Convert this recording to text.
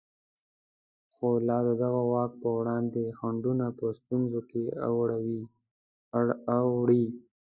خو لا د دغه واک په وړاندې خنډونه په ستونزو کې اوړي.